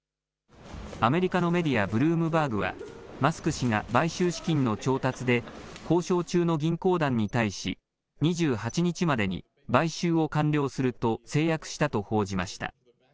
アメリカのメディア、ブルームバーグはマスク氏が買収資金の調達で交渉中の銀行団に対し２８日までに買収を完了すると誓約したと報じました。